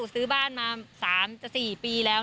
ซื้อบ้านมา๓๔ปีแล้ว